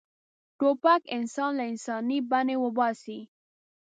توپک انسان له انساني بڼې وباسي.